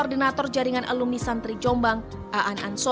dia sambil menunggu